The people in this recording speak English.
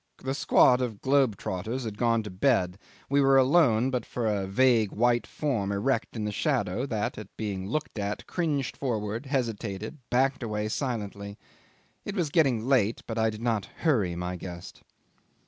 The squad of globe trotters had gone to bed. We were alone but for a vague white form erect in the shadow, that, being looked at, cringed forward, hesitated, backed away silently. It was getting late, but I did not hurry my guest.